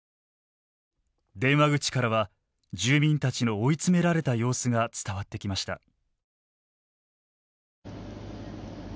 電話口からは住民たちの追い詰められた様子が伝わってきました。